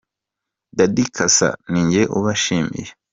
Daddy cassa : Ni njye ubashimiye.